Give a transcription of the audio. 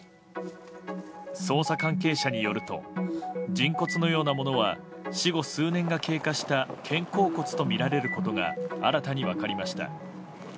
捜査関係者によると人骨のようなものは死後数年が経過した肩甲骨とみられることが新たに分かりました。